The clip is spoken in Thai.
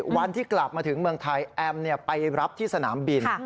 วันที่กลับมาถึงเมืองไทยแอมไปรับที่สนามบิน